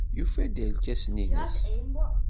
Yufa-d irkasen-nnes.